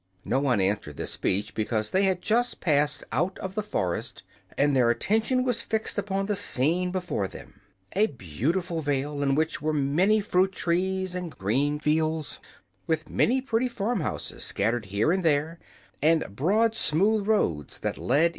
No one answered this speech, because they had just passed out of the forest and their attention was fixed upon the scene before them a beautiful vale in which were many fruit trees and green fields, with pretty farm houses scattered here and there and broad, smooth roads that led in every direction.